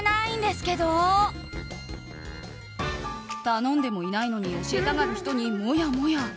頼んでもいないのに教えたがる人に、もやもや。